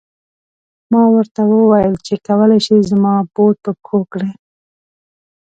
ما ورته و ویل چې کولای شې زما بوټ په پښو کړې.